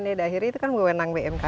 jadi yang diakhiri itu kan benang bmkg